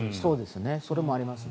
それもありますね。